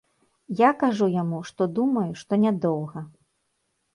Я кажу яму, што думаю, што нядоўга.